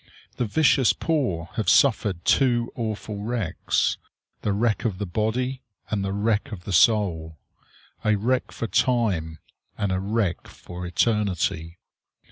The vicious poor have suffered two awful wrecks, the wreck of the body, and the wreck of the soul; a wreck for time and a wreck for eternity.